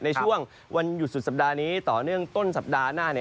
ในช่วงวันหยุดสุดสัปดาห์นี้ต่อเนื่องต้นสัปดาห์หน้า